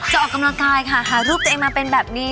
ออกกำลังกายค่ะหารูปตัวเองมาเป็นแบบนี้